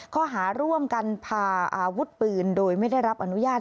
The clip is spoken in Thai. ข้อหาร่วมกันพาอาวุธปืนโดยไม่ได้รับอนุญาต